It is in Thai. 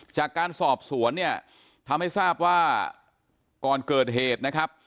จากการสอบสวนเนี่ยทำให้ทราบว่าก่อนเกิดเหตุนะครับ